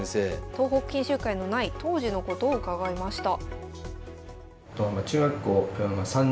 東北研修会のない当時のことを伺いました。